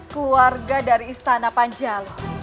keluarga dari istana panjalu